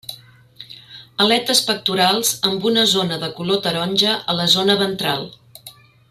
Aletes pectorals amb una zona de color taronja a la zona ventral.